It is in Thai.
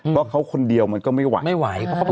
ว่าเขาคนเดียวก็ไม่ไหว